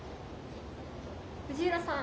藤浦さん